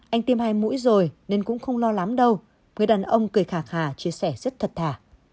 anh tìm hai mũi rồi nên cũng không lo lắm đâu người đàn ông cười khả khả chia sẻ rất thật thà